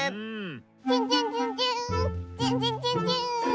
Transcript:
チュンチュンチュンチューンチュンチュンチュンチューン。